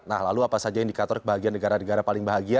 nah lalu apa saja indikator kebahagiaan negara negara paling bahagia